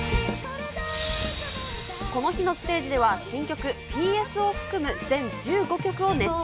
この日のステージでは、新曲、ＰＳを含む全１５曲を熱唱。